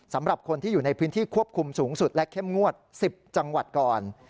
สำหรับคนที่อยู่ในพื้นที่ควบคุมสูงสุดและเข้มงวด๑๐จังหวัดก่อน